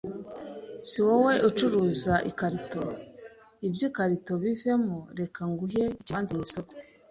Si wowe ucuruza ikarito ? iby’ikarito bivemo, reka nguhe ikibanza mu isoko